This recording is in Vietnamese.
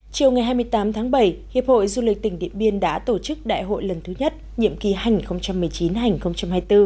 chiều ngày hai mươi tám tháng bảy hiệp hội du lịch tỉnh điện biên đã tổ chức đại hội lần thứ nhất nhiệm kỳ hành một mươi chín hai nghìn hai mươi bốn